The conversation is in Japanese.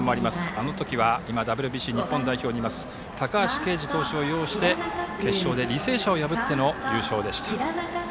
あの時はＷＢＣ日本代表にいます高橋奎二投手を擁して決勝で履正社を破っての優勝でした。